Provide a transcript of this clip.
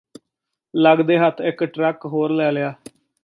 ਲਗਦੇ ਹੱਥ ਇਕ ਟਰੱਕ ਹੋਰ ਲੈ ਲਿਆ